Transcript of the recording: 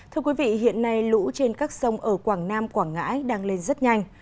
thưa quý vị hiện nay lũ trên các sông ở quảng nam quảng ngãi đang lên rất nhanh